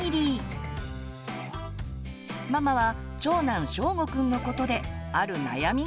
ママは長男しょうごくんのことである悩みがありました。